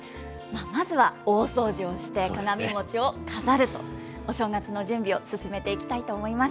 まずは大掃除をして、鏡餅を飾ると、お正月の準備を進めていきたいと思います。